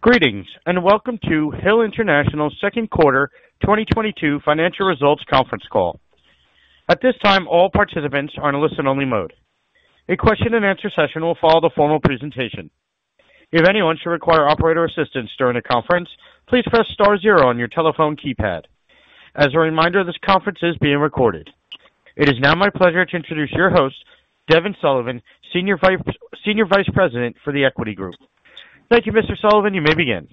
Greetings, and welcome to Hill International Q2 2022 financial results conference call. At this time, all participants are in a listen-only mode. A question and answer session will follow the formal presentation. If anyone should require operator assistance during the conference, please press star zero on your telephone keypad. As a reminder, this conference is being recorded. It is now my pleasure to introduce your host, Devin Sullivan, Senior Vice President for The Equity Group. Thank you, Mr. Sullivan. You may begin.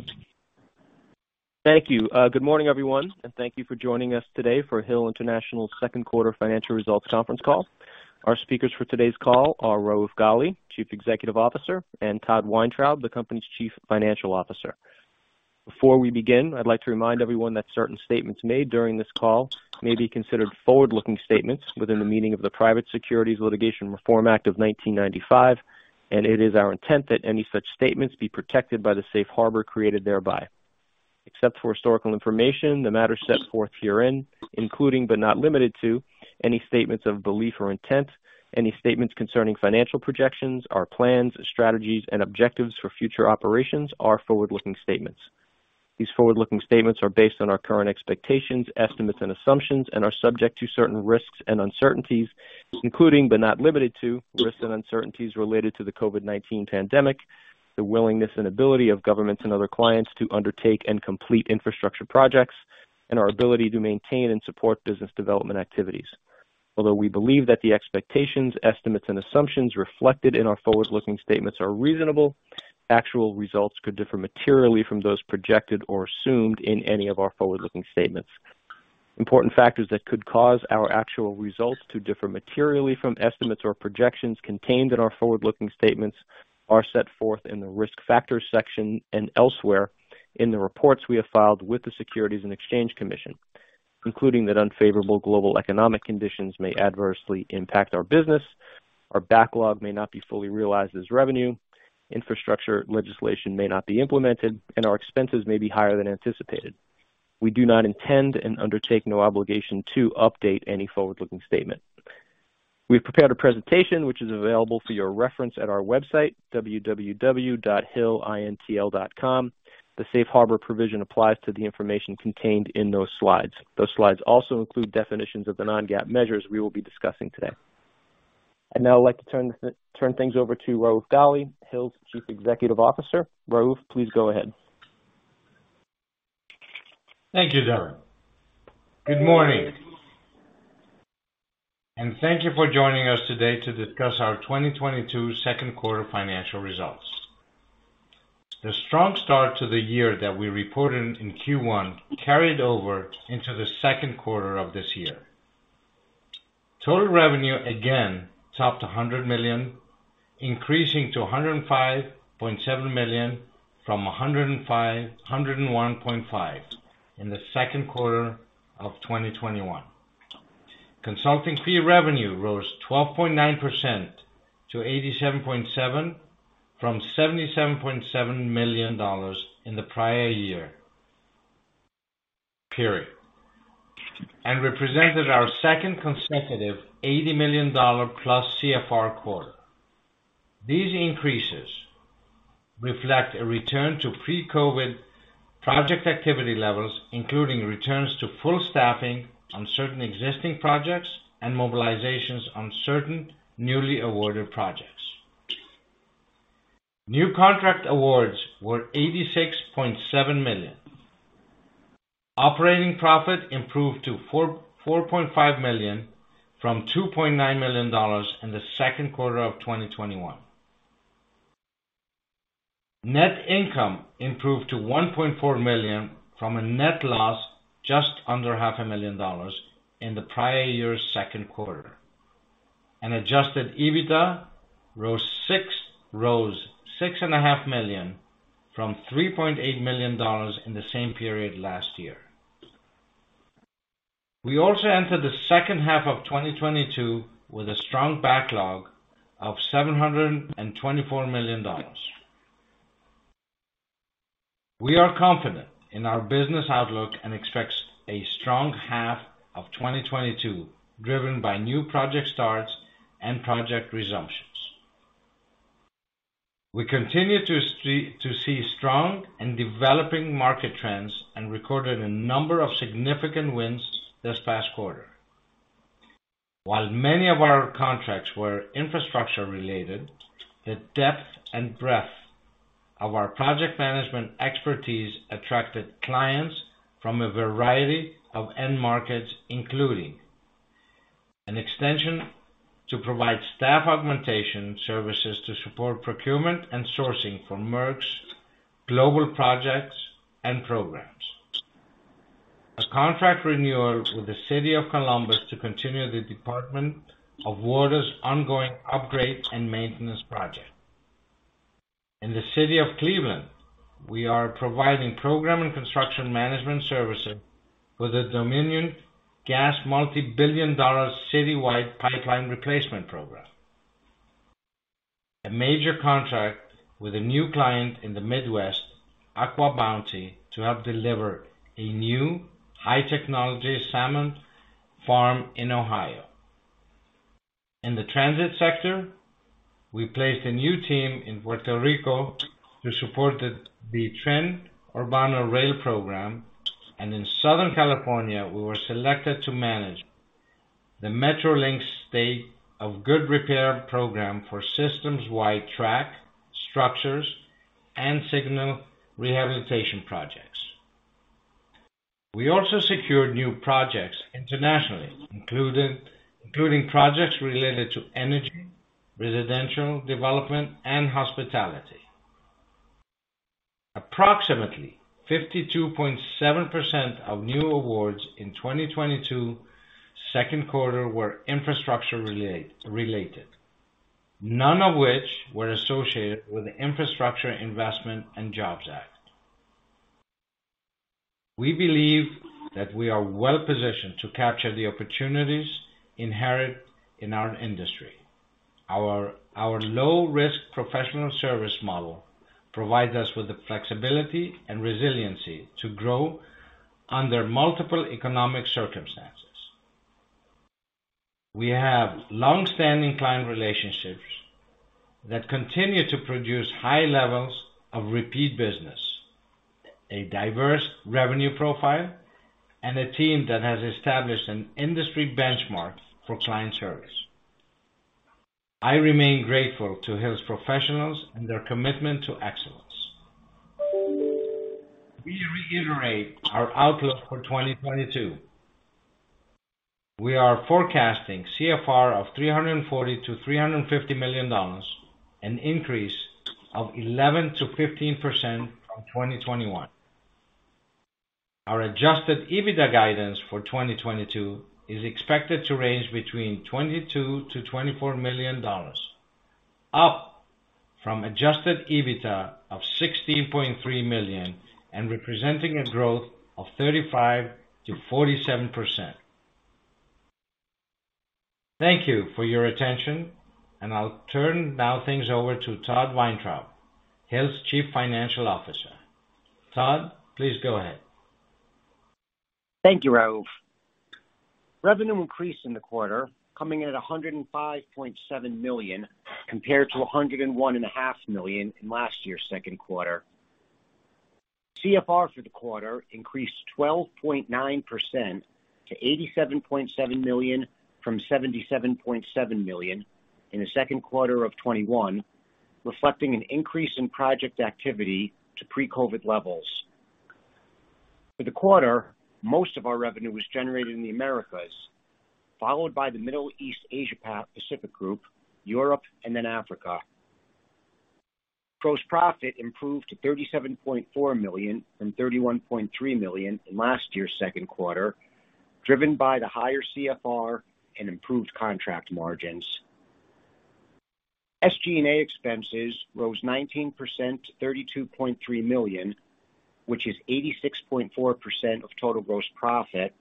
Thank you. Good morning, everyone, and thank you for joining us today for Hill International's Q2 financial results conference call. Our speakers for today's call are Raouf Ghali, Chief Executive Officer, and Todd Weintraub, the company's Chief Financial Officer. Before we begin, I'd like to remind everyone that certain statements made during this call may be considered forward-looking statements within the meaning of the Private Securities Litigation Reform Act of 1995, and it is our intent that any such statements be protected by the safe harbor created thereby. Except for historical information, the matter set forth herein, including, but not limited to, any statements of belief or intent, any statements concerning financial projections, our plans, strategies, and objectives for future operations are forward-looking statements. These forward-looking statements are based on our current expectations, estimates, and assumptions and are subject to certain risks and uncertainties, including, but not limited to, risks and uncertainties related to the COVID-19 pandemic, the willingness and ability of governments and other clients to undertake and complete infrastructure projects, and our ability to maintain and support business development activities. Although we believe that the expectations, estimates, and assumptions reflected in our forward-looking statements are reasonable, actual results could differ materially from those projected or assumed in any of our forward-looking statements. Important factors that could cause our actual results to differ materially from estimates or projections contained in our forward-looking statements are set forth in the Risk Factors section and elsewhere in the reports we have filed with the Securities and Exchange Commission, concluding that unfavorable global economic conditions may adversely impact our business, our backlog may not be fully realized as revenue, infrastructure legislation may not be implemented, and our expenses may be higher than anticipated. We do not intend and undertake no obligation to update any forward-looking statement. We've prepared a presentation which is available for your reference at our website, www.hillintl.com. The safe harbor provision applies to the information contained in those slides. Those slides also include definitions of the non-GAAP measures we will be discussing today. I'd now like to turn things over to Raouf Ghali, Hill's Chief Executive Officer. Raouf, please go ahead. Thank you, Devin. Good morning, and thank you for joining us today to discuss our 2022 Q2 financial results. The strong start to the year that we reported in Q1 carried over into the Q2 of this year. Total revenue again topped $100 million, increasing to $105.7 million from $101.5 million in the Q2 of 2021. Consulting fee revenue rose 12.9% to $87.7 million from $77.7 million in the prior year period, and represented our second consecutive $80 million-plus CFR quarter. These increases reflect a return to pre-COVID project activity levels, including returns to full staffing on certain existing projects and mobilizations on certain newly awarded projects. New contract awards were $86.7 million. Operating profit improved to $4.5 million from $2.9 million in the Q2 of 2021. Net income improved to $1.4 million from a net loss just under half a million dollars in the prior year's Q2. Adjusted EBITDA rose $6.5 million from $3.8 million in the same period last year. We also entered the second half of 2022 with a strong backlog of $724 million. We are confident in our business outlook and expects a strong half of 2022, driven by new project starts and project resumptions. We continue to see strong and developing market trends and recorded a number of significant wins this past quarter. While many of our contracts were infrastructure related, the depth and breadth of our project management expertise attracted clients from a variety of end markets, including an extension to provide staff augmentation services to support procurement and sourcing for Merck's global projects and programs. A contract renewal with the City of Columbus to continue the Division of Water's ongoing upgrade and maintenance project. In the City of Cleveland, we are providing program and construction management services for the Dominion Energy multi-billion dollar citywide pipeline replacement program. A major contract with a new client in the Midwest, AquaBounty, to help deliver a new high technology salmon farm in Ohio. In the transit sector, we placed a new team in Puerto Rico to support the Tren Urbano rail program. In Southern California, we were selected to manage the Metrolink State of Good Repair program for system-wide track, structures, and signal rehabilitation projects. We also secured new projects internationally, including projects related to energy, residential development, and hospitality. Approximately 52.7% of new awards in 2022 Q2 were infrastructure-related, none of which were associated with the Infrastructure Investment and Jobs Act. We believe that we are well-positioned to capture the opportunities inherent in our industry. Our low-risk professional service model provides us with the flexibility and resiliency to grow under multiple economic circumstances. We have long-standing client relationships that continue to produce high levels of repeat business, a diverse revenue profile, and a team that has established an industry benchmark for client service. I remain grateful to Hill's professionals and their commitment to excellence. We reiterate our outlook for 2022. We are forecasting CFR of $340 million-$350 million, an increase of 11%-15% from 2021. Our adjusted EBITDA guidance for 2022 is expected to range between $22-$24 million, up from adjusted EBITDA of $16.3 million, and representing a growth of 35%-47%. Thank you for your attention. I'll now turn things over to Todd Weintraub, Hill's Chief Financial Officer. Todd, please go ahead. Thank you, Raouf. Revenue increased in the quarter, coming in at $105.7 million, compared to $101.5 million in last year's Q2. CFR for the quarter increased 12.9% to $87.7 million from $77.7 million in the Q2 of 2021, reflecting an increase in project activity to pre-COVID levels. For the quarter, most of our revenue was generated in the Americas, followed by the Middle East, Asia Pacific Group, Europe, and then Africa. Gross profit improved to $37.4 million from $31.3 million in last year's Q2, driven by the higher CFR and improved contract margins. SG&A expenses rose 19% to $32.3 million, which is 86.4% of total gross profit,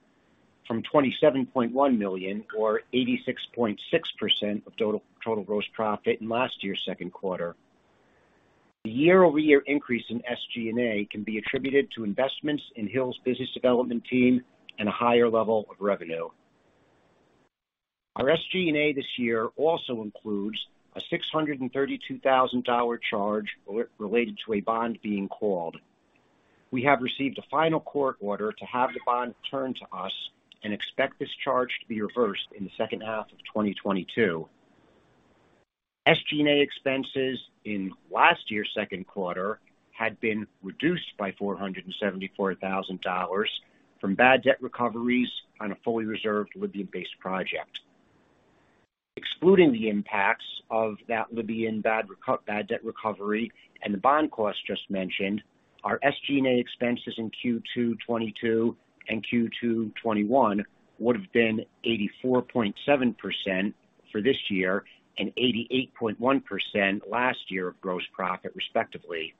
from $27.1 million or 86.6% of total gross profit in last year's Q2. The year-over-year increase in SG&A can be attributed to investments in Hill's business development team and a higher level of revenue. Our SG&A this year also includes a $632,000 charge related to a bond being called. We have received a final court order to have the bond returned to us and expect this charge to be reversed in the second half of 2022. SG&A expenses in last year's Q2 had been reduced by $474,000 from bad debt recoveries on a fully reserved Libyan-based project. Excluding the impacts of that Libyan bad debt recovery and the bond cost just mentioned, our SG&A expenses in Q2 2022 and Q2 2021 would have been 84.7% for this year and 88.1% last year of gross profit, respectively.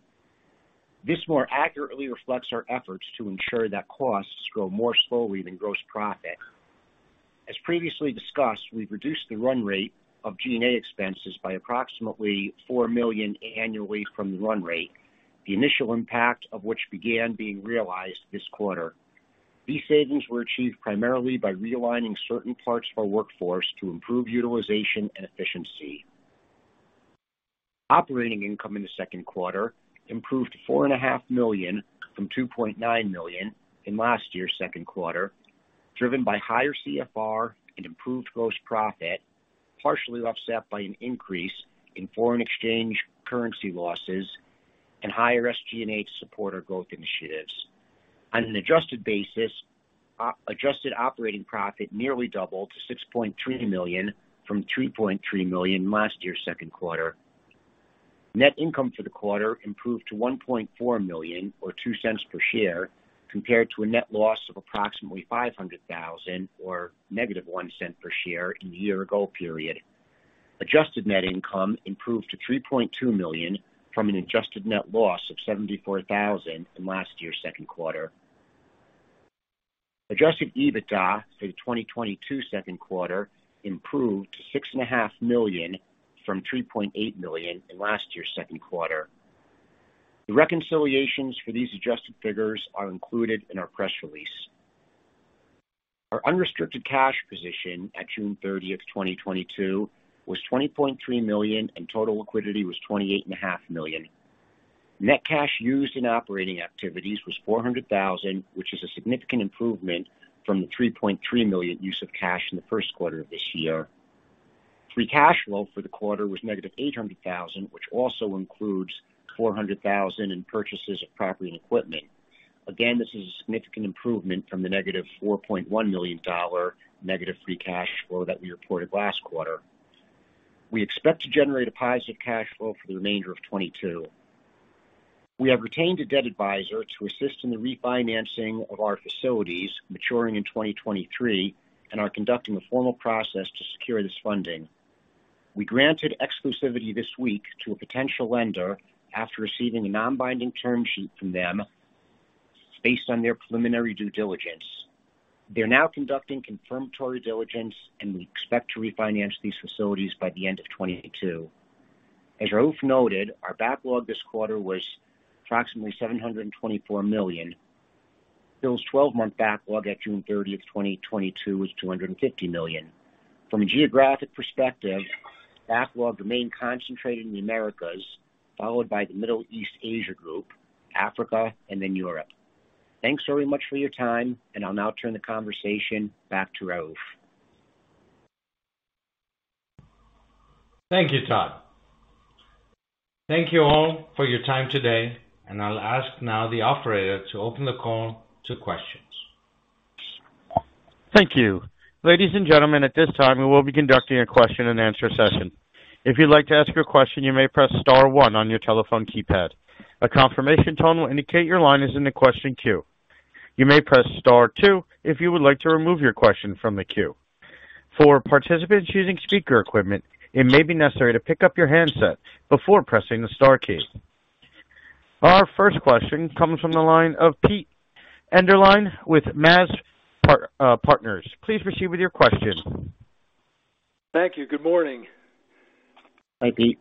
This more accurately reflects our efforts to ensure that costs grow more slowly than gross profit. As previously discussed, we've reduced the run rate of G&A expenses by approximately $4 million annually from the run rate, the initial impact of which began being realized this quarter. These savings were achieved primarily by realigning certain parts of our workforce to improve utilization and efficiency. Operating income in the Q2 improved $4.5 million from $2.9 million in last year's Q2, driven by higher CFR and improved gross profit, partially offset by an increase in foreign exchange currency losses and higher SG&A to support our growth initiatives. On an adjusted basis, adjusted operating profit nearly doubled to $6.3 million from $3.3 million last year's Q2. Net income for the quarter improved to $1.4 million or $0.02 per share, compared to a net loss of approximately $500,000 or -$0.01 per share in the year-ago period. Adjusted net income improved to $3.2 million from an adjusted net loss of $74,000 in last year's Q2. Adjusted EBITDA for the 2022 Q2 improved to $6.5 million from $3.8 million in last year's Q2. the reconciliations for these adjusted figures are included in our press release. Our unrestricted cash position at June 30, 2022 was $20.3 million, and total liquidity was $28.5 million. Net cash used in operating activities was $400,000, which is a significant improvement from the $3.3 million use of cash in the Q1 of this year. Free cash flow for the quarter was negative $800,000, which also includes $400,000 in purchases of property and equipment. Again, this is a significant improvement from the negative $4.1 million free cash flow that we reported last quarter. We expect to generate a positive cash flow for the remainder of 2022. We have retained a debt advisor to assist in the refinancing of our facilities maturing in 2023 and are conducting a formal process to secure this funding. We granted exclusivity this week to a potential lender after receiving a non-binding term sheet from them based on their preliminary due diligence. They're now conducting confirmatory diligence, and we expect to refinance these facilities by the end of 2022. As Raouf noted, our backlog this quarter was approximately $724 million. Bill's twelve-month backlog at June 30, 2022 was $250 million. From a geographic perspective, backlog remained concentrated in the Americas, followed by the Middle East Asia Group, Africa, and then Europe. Thanks very much for your time, and I'll now turn the conversation back to Raouf. Thank you, Todd. Thank you all for your time today, and I'll ask now the operator to open the call to questions. Thank you. Ladies and gentlemen, at this time, we will be conducting a question-and-answer session. If you'd like to ask your question, you may press star one on your telephone keypad. A confirmation tone will indicate your line is in the question queue. You may press star two if you would like to remove your question from the queue. For participants using speaker equipment, it may be necessary to pick up your handset before pressing the star key. Our first question comes from the line of Peter Enderlin with MAZ Partners. Please proceed with your question. Thank you. Good morning. Hi, Pete.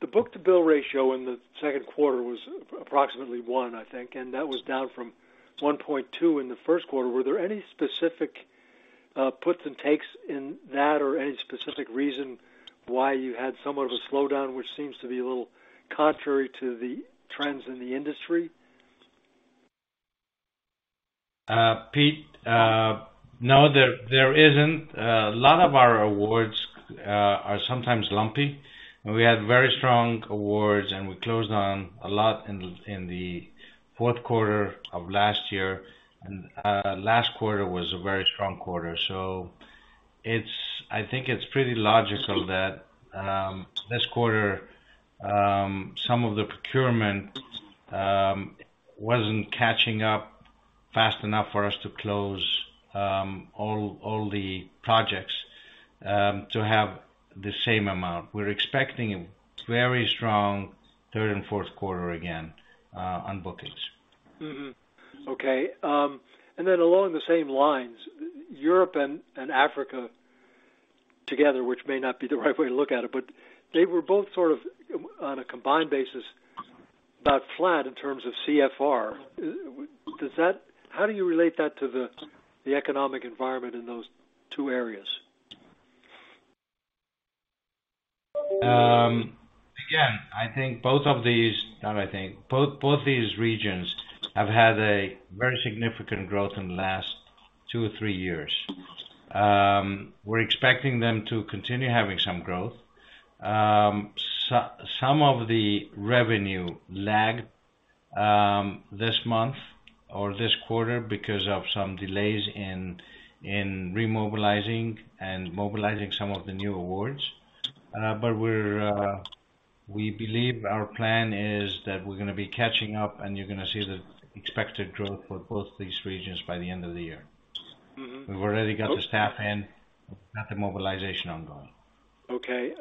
The book-to-bill ratio in the Q2 was approximately one, I think, and that was down from 1.2 in the Q1. Were there any specific puts and takes in that or any specific reason why you had somewhat of a slowdown, which seems to be a little contrary to the trends in the industry? Pete, no, there isn't. A lot of our awards are sometimes lumpy. We had very strong awards, and we closed on a lot in the Q4 of last year. Last quarter was a very strong quarter. It's pretty logical that this quarter some of the procurement wasn't catching up fast enough for us to close all the projects to have the same amount. We're expecting a very strong third and Q4 again on bookings. Mm-hmm. Okay. Along the same lines, Europe and Africa together, which may not be the right way to look at it, but they were both sort of on a combined basis, about flat in terms of CFR. How do you relate that to the economic environment in those two areas? Again, both these regions have had a very significant growth in the last two or three years. We're expecting them to continue having some growth. Some of the revenue lagged this month or this quarter because of some delays in remobilizing and mobilizing some of the new awards. We believe our plan is that we're gonna be catching up, and you're gonna see the expected growth for both these regions by the end of the year. Mm-hmm. We've already got the staff in, got the mobilization ongoing. Okay.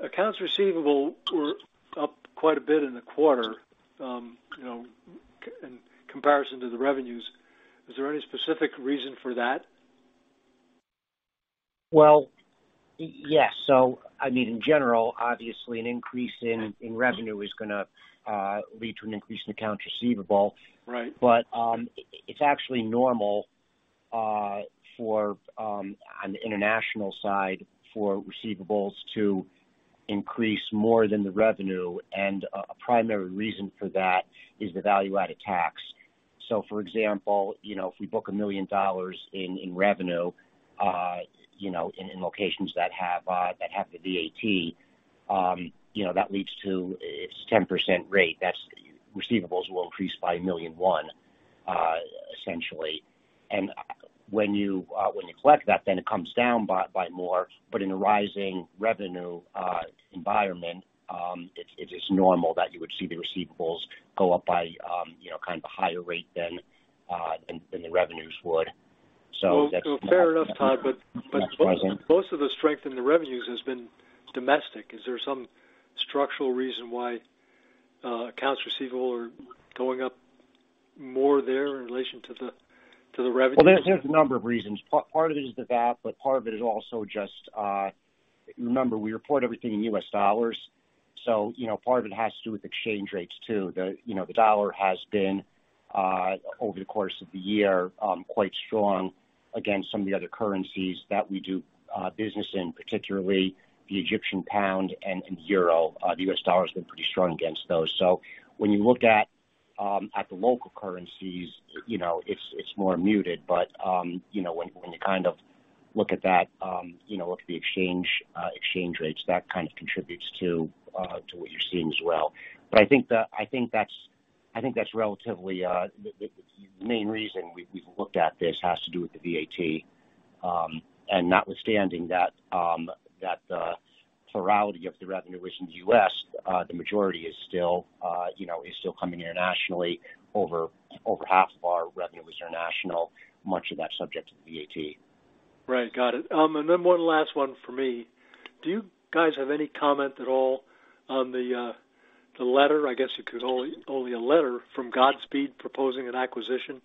Accounts receivable were up quite a bit in the quarter in comparison to the revenues. Is there any specific reason for that? Yes. In general, obviously an increase in revenue is gonna lead to an increase in accounts receivable. Right. It's actually normal on the international side for receivables to increase more than the revenue. A primary reason for that is the value-added tax. For example if we book $1 million in revenue in locations that have the VAT that leads to its 10% rate. Receivables will increase by $1.1 million, essentially. When you collect that, then it comes down by more. In a rising revenue environment, it is normal that you would see the receivables go up by, you know, kind of a higher rate than the revenues would. Well, fair enough, Todd. Most of the strength in the revenues has been domestic. Is there some structural reason why accounts receivable are going up more there in relation to the revenue? Well, there's a number of reasons. Part of it is the VAT, but part of it is also just remember, we report everything in U.S. dollars, so part of it has to do with exchange rates too. You know, the dollar has been over the course of the year quite strong against some of the other currencies that we do business in, particularly the Egyptian pound and the euro. The U.S. dollar has been pretty strong against those. When you look at the local currencies, you know, it's more muted. When you look at the exchange rates, that kind of contributes to what you're seeing as well. That's relatively the main reason we've looked at this has to do with the VAT. Notwithstanding that, the plurality of the revenue is in the U.S., the majority is still, you know, coming internationally. Over half of our revenue is international, much of that subject to the VAT. Right. Got it. One last one for me. Do you guys have any comment at all on the letter, I guess it was only a letter from Godspeed proposing an acquisition?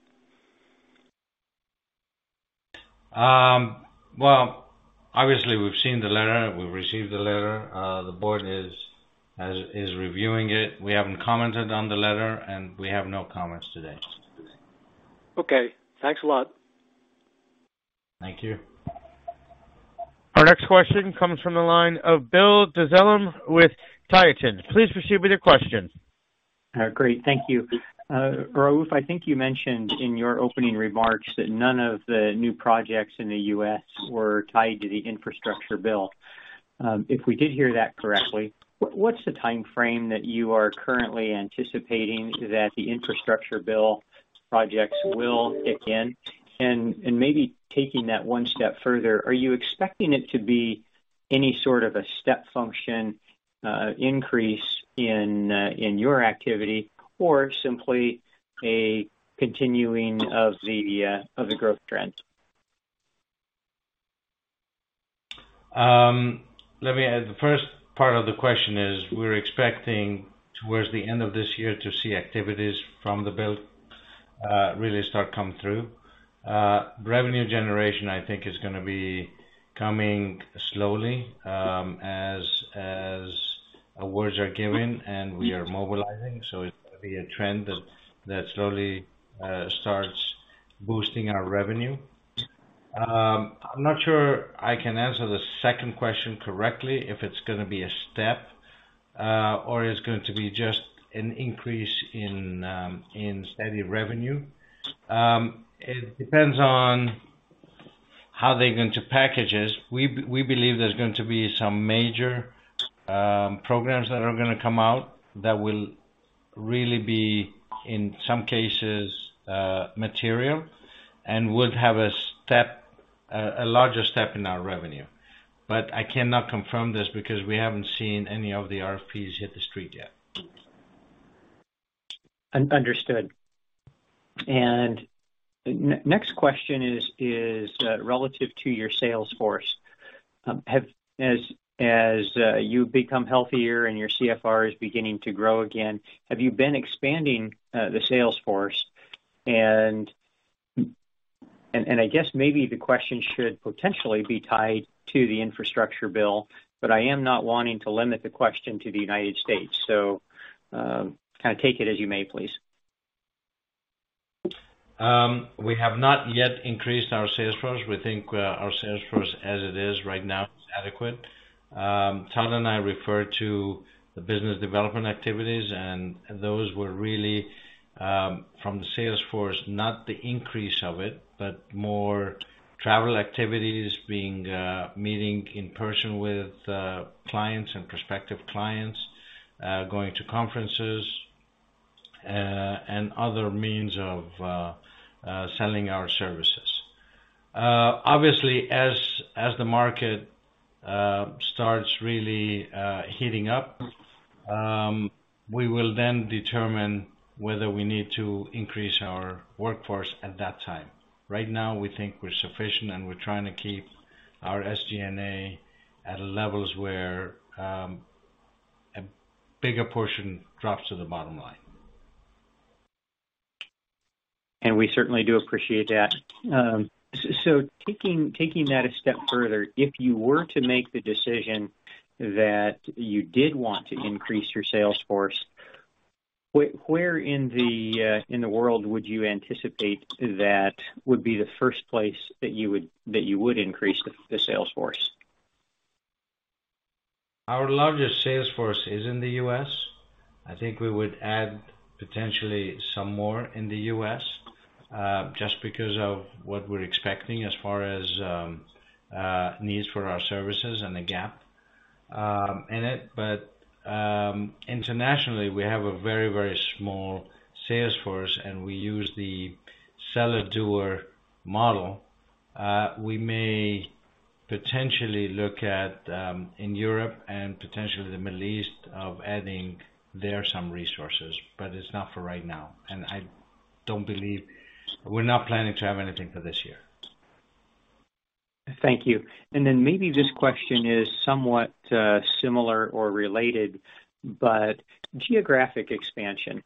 Well, obviously we've seen the letter. We've received the letter. The board is reviewing it. We haven't commented on the letter, and we have no comments today. Okay, thanks a lot. Thank you. Our next question comes from the line of Bill Dezellem with Tieton Capital Management. Please proceed with your question. Great. Thank you. Raouf, you mentioned in your opening remarks that none of the new projects in the US were tied to the infrastructure bill. If we did hear that correctly, what's the timeframe that you are currently anticipating that the infrastructure bill projects will kick in? Maybe taking that one step further, are you expecting it to be any sort of a step function increase in your activity or simply a continuing of the growth trend? The first part of the question is, we're expecting towards the end of this year to see activities from the bill really start to come through. Revenue generation is gonna be coming slowly, as awards are given and we are mobilizing. It's gonna be a trend that slowly starts boosting our revenue. I'm not sure I can answer the second question correctly, if it's gonna be a step or it's going to be just an increase in steady revenue. It depends on how they're going to package this. We believe there's going to be some major programs that are gonna come out that will really be, in some cases, material, and would have a larger step in our revenue. I cannot confirm this because we haven't seen any of the RFPs hit the street yet. Understood. Next question is relative to your sales force. As you become healthier and your CFR is beginning to grow again, have you been expanding the sales force? The question should potentially be tied to the infrastructure bill, but I am not wanting to limit the question to the United States. Take it as you may please. We have not yet increased our sales force. We think our sales force as it is right now is adequate. Todd and I referred to the business development activities, and those were really from the sales force, not the increase of it, but more travel activities being meeting in person with clients and prospective clients, going to conferences, and other means of selling our services. Obviously as the market starts really heating up, we will then determine whether we need to increase our workforce at that time. Right now we think we're sufficient, and we're trying to keep our SG&A at levels where a bigger portion drops to the bottom line. We certainly do appreciate that. Taking that a step further, if you were to make the decision that you did want to increase your sales force, where in the world would you anticipate that would be the first place that you would increase the sales force? Our largest sales force is in the U.S. I think we would add potentially some more in the U.S., just because of what we're expecting as far as needs for our services and the gap in it. Internationally we have a very, very small sales force, and we use the seller doer model. We may potentially look at in Europe and potentially the Middle East of adding there some resources, but it's not for right now. We're not planning to have anything for this year. Thank you. Maybe this question is somewhat similar or related, but geographic expansion.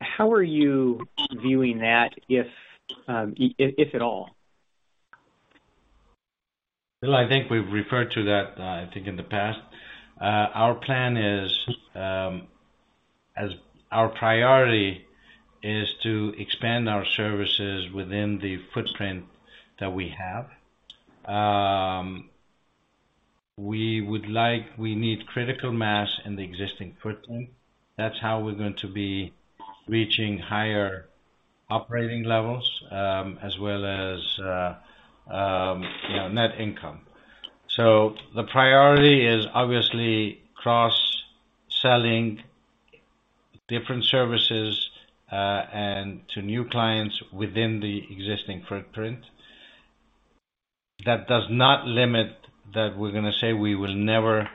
How are you viewing that if at all? Well, I think we've referred to that, I think in the past. Our plan is, as our priority is to expand our services within the footprint that we have. We need critical mass in the existing footprint. That's how we're going to be reaching higher operating levels, as well as, you know, net income. The priority is obviously cross-selling different services, and to new clients within the existing footprint. That does not limit that we're gonna say we will never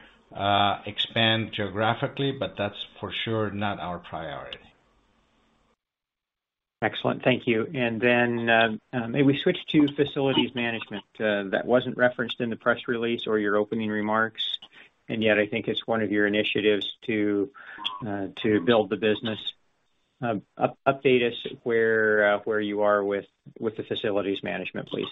expand geographically, but that's for sure not our priority. Excellent. Thank you. May we switch to facilities management? That wasn't referenced in the press release or your opening remarks, and yet I think it's one of your initiatives to build the business. Update us where you are with the facilities management, please.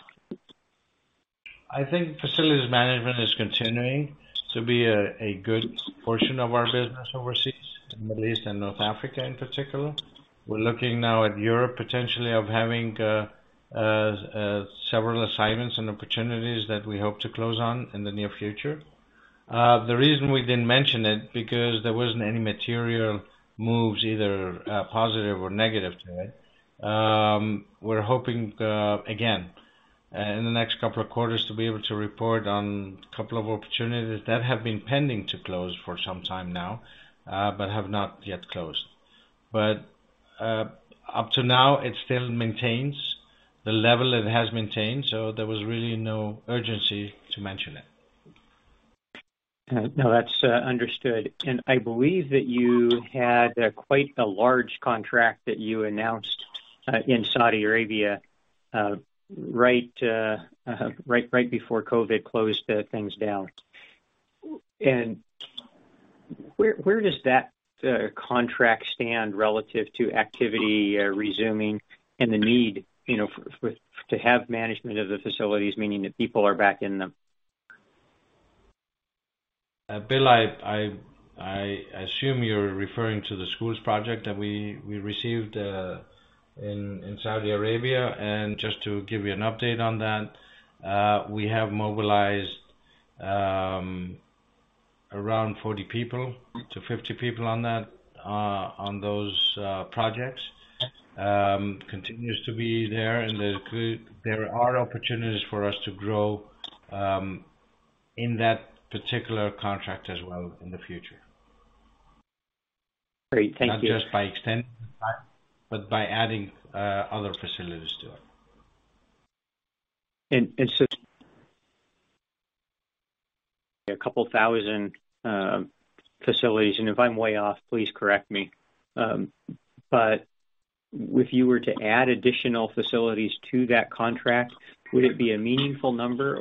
I think facilities management is continuing to be a good portion of our business overseas, in Middle East and North Africa in particular. We're looking now at Europe, potentially of having several assignments and opportunities that we hope to close on in the near future. The reason we didn't mention it because there wasn't any material moves, either positive or negative to it. We're hoping again in the next couple of quarters to be able to report on couple of opportunities that have been pending to close for some time now, but have not yet closed. Up to now, it still maintains the level it has maintained, so there was really no urgency to mention it. No, that's understood. I believe that you had quite the large contract that you announced in Saudi Arabia right before COVID closed things down. Where does that contract stand relative to activity resuming and the need to have management of the facilities, meaning that people are back in them? Hill, I assume you're referring to the schools project that we received in Saudi Arabia. Just to give you an update on that, we have mobilized around 40 to 50 people on that, on those projects. Continues to be there. There are opportunities for us to grow in that particular contract as well in the future. Great, thank you. Not just by extending that, but by adding other facilities to it. A couple thousand facilities. If I'm way off, please correct me, but if you were to add additional facilities to that contract, would it be a meaningful number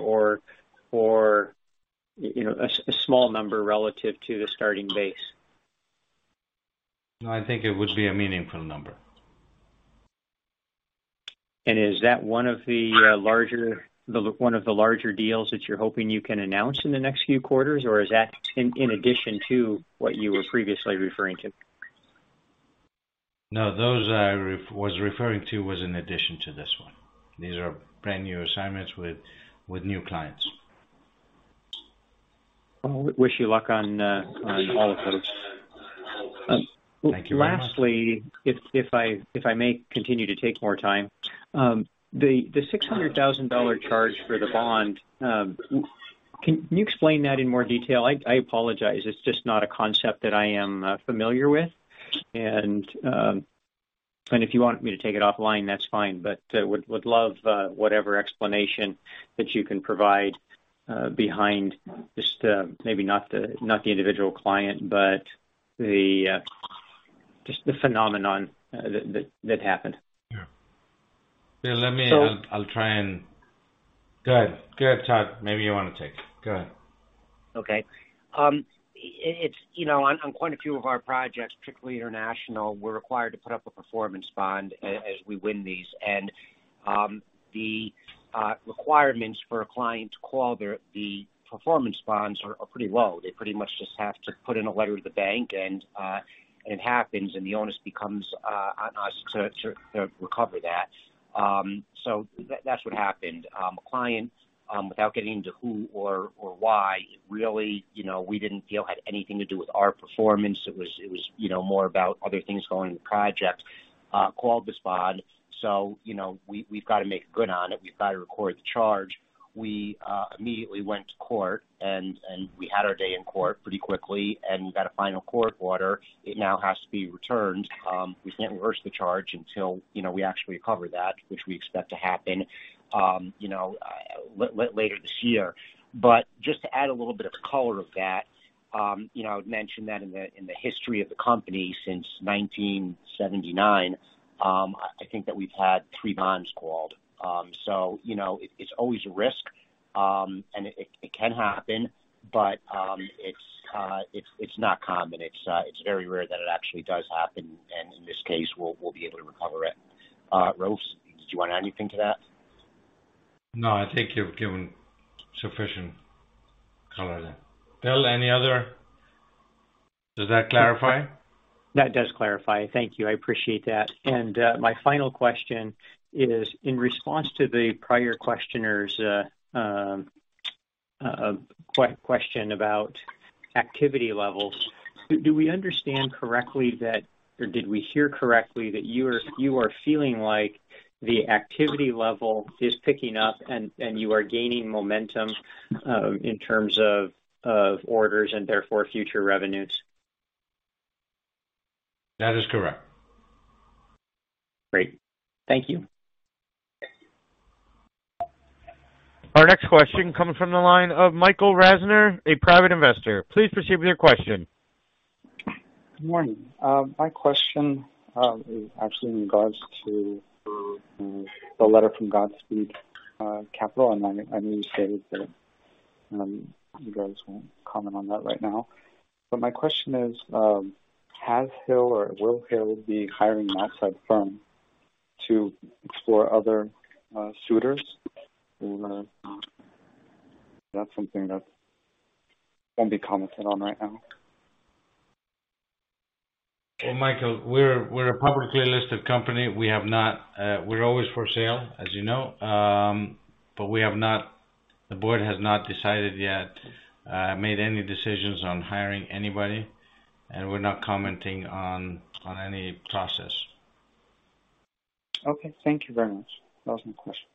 or a small number relative to the starting base? No, I think it would be a meaningful number. Is that one of the larger deals that you're hoping you can announce in the next few quarters? Or is that in addition to what you were previously referring to? No, those I was referring to was in addition to this one. These are brand-new assignments with new clients. Well, wish you luck on all of those. Thank you very much. Lastly, if I may continue to take more time. The $600,000 charge for the bond, can you explain that in more detail? I apologize. It's just not a concept that I am familiar with. If you want me to take it offline, that's fine. Would love whatever explanation that you can provide behind just maybe not the individual client, but just the phenomenon that happened. Yeah. Hill, let me So- Go ahead. Go ahead, Todd. Maybe you wanna take it. Go ahead. Okay. It's on quite a few of our projects, particularly international, we're required to put up a performance bond as we win these. The requirements for a client to call the performance bonds are pretty low. They pretty much just have to put in a letter to the bank and it happens, and the onus becomes on us to recover that. That's what happened. A client, without getting into who or why, really we didn't feel had anything to do with our performance. It was more about other things going on in the project, called this bond. We've got to make good on it. We've got to record the charge. We immediately went to court and we had our day in court pretty quickly, and we got a final court order. It now has to be returned. We can't reverse the charge until, you know, we actually recover that, which we expect to happen later this year. Just to add a little bit of color to that, I would mention that in the history of the company since 1979, I think that we've had three bonds called. You know, it's always a risk. It can happen, but it's not common. It's very rare that it actually does happen. In this case, we'll be able to recover it. Raouf, did you want to add anything to that? No, I think you've given sufficient color there. Does that clarify? That does clarify. Thank you. I appreciate that. My final question is in response to the prior questioner's question about activity levels. Do we understand correctly that or did we hear correctly that you are feeling like the activity level is picking up and you are gaining momentum in terms of orders and therefore future revenues? That is correct. Great. Thank you. Our next question comes from the line of Michael Rasner, a Private Investor. Please proceed with your question. Good morning. My question is actually in regards to the letter from Godspeed Capital. I know you stated that you guys won't comment on that right now. My question is, has Hill or will Hill be hiring an outside firm to explore other suitors? Or, that's something that won't be commented on right now. Well, Michael, we're a publicly listed company. We have not. We're always for sale, as you know. The board has not decided yet, made any decisions on hiring anybody, and we're not commenting on any process. Okay, thank you very much. That was my question.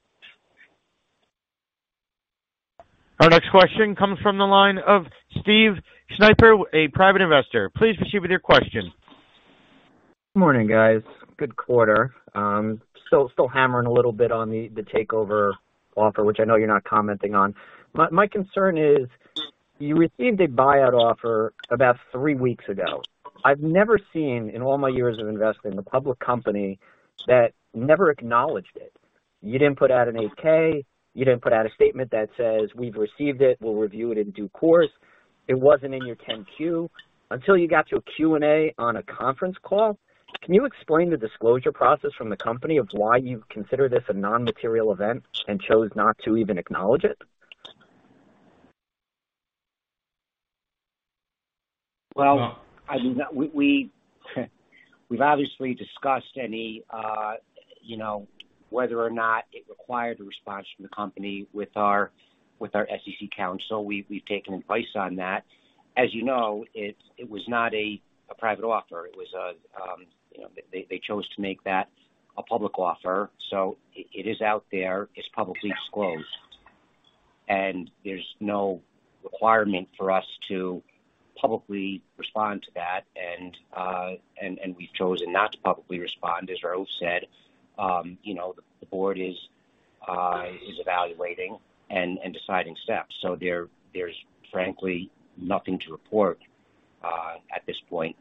Our next question comes from the line of Steve Schnipper, a private investor. Please proceed with your question. Morning, guys. Good quarter. Still hammering a little bit on the takeover offer, which I know you're not commenting on. My concern is you received a buyout offer about three weeks ago. I've never seen, in all my years of investing, a public company that never acknowledged it. You didn't put out an 8-K. You didn't put out a statement that says, "We've received it. We'll review it in due course." It wasn't in your 10-Q until you got to a Q&A on a conference call. Can you explain the disclosure process from the company of why you consider this a non-material event and chose not to even acknowledge it? I mean, we've obviously discussed any whether or not it required a response from the company with our SEC counsel. We've taken advice on that. As you know, it was not a private offer. It was a public offer. It is out there, it's publicly disclosed, and there's no requirement for us to publicly respond to that, and we've chosen not to publicly respond. As Raouf said, you know, the board is evaluating and deciding steps. There's frankly nothing to report at this point.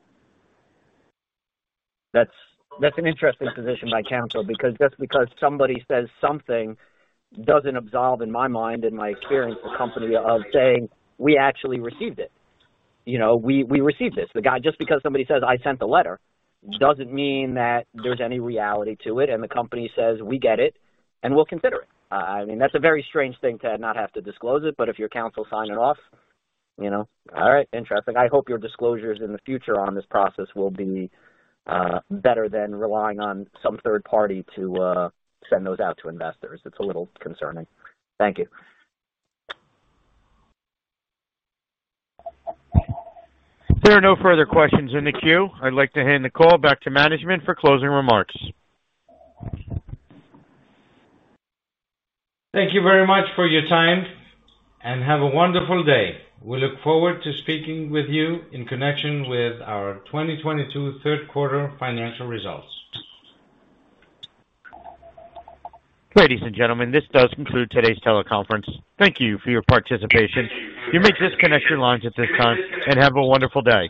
That's an interesting position by counsel, because just because somebody says something doesn't absolve, in my mind, in my experience, the company of saying, "We actually received it. You know, we received this." Just because somebody says, "I sent the letter," doesn't mean that there's any reality to it. The company says, "We get it, and we'll consider it." I mean, that's a very strange thing to not have to disclose it, but if your counsel signed it off, you know. All right. Interesting. I hope your disclosures in the future on this process will be better than relying on some third party to send those out to investors. It's a little concerning. Thank you. There are no further questions in the queue. I'd like to hand the call back to management for closing remarks. Thank you very much for your time, and have a wonderful day. We look forward to speaking with you in connection with our 2022 Q3 financial results. Ladies and gentlemen, this does conclude today's teleconference. Thank you for your participation. You may disconnect your lines at this time, and have a wonderful day.